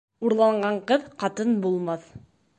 Урланған ҡыҙ ҡатын булмаҫ